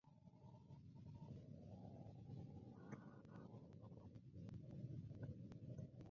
Se cree que eran omnívoros.